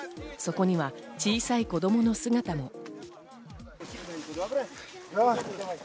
そこには小さい子供の姿も。